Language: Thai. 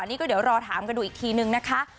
นี่ก็เดี๋ยวรอถามกันดูอีกทีนึงนะคะ